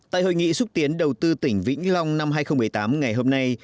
tại hội nghị xúc tiến đầu tư tỉnh vĩnh long năm hai nghìn một mươi tám ngày hôm nay